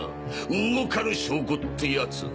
動かぬ証拠ってやつを。